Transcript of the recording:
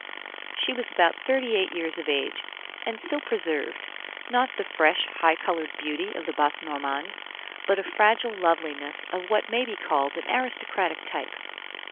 She was about thirty eight years of age, and still preserved, not the fresh, high colored beauty of the Basse Normandes, but a fragile loveliness of what may be called an aristocratic type.